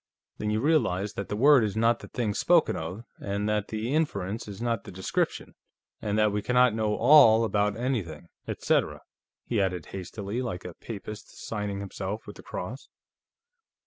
"Then you realize that the word is not the thing spoken of, and that the inference is not the description, and that we cannot know 'all' about anything. Etcetera," he added hastily, like a Papist signing himself with the Cross.